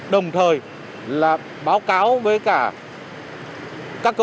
đồng thời là báo cáo với cả